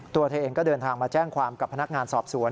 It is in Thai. ตัวเธอเองก็เดินทางมาแจ้งความกับพนักงานสอบสวน